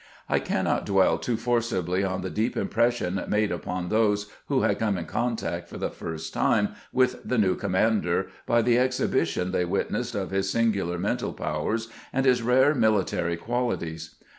I cannot dwell too forcibly on the deep impression made upon those who had come in contact for the first time with the new commander, by the exhibition they witnessed of his singular mental powers and his rare military qualities.